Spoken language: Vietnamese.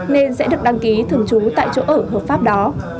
nên sẽ được đăng ký thường trú tại chỗ ở hợp pháp đó